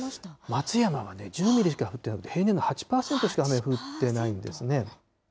松山は１０ミリしか降ってなくて、平年の８％しか雨降ってないんですね。